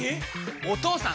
お義父さん！